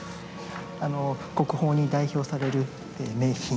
あの国宝に代表される名品。